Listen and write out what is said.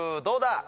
どうだ？